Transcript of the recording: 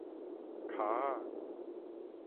跤仔